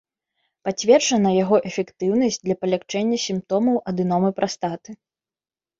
Пацверджана яго эфектыўнасць для палягчэння сімптомаў адэномы прастаты.